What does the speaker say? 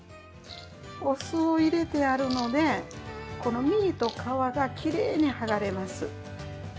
お酢を入れてあるのでこの身と皮がきれいに剥がれます。